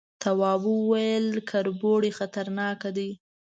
تواب وويل، کربوړي خطرناکه دي.